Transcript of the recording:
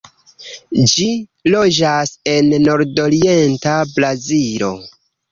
Ĝi loĝas en nordorienta Brazilo.